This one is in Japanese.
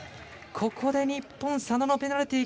ここで日本、佐野のペナルティー。